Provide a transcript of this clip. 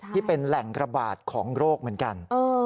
ที่เป็นแหล่งระบาดของโรคเหมือนกัน